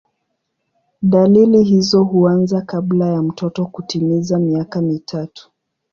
Dalili hizo huanza kabla ya mtoto kutimiza miaka mitatu.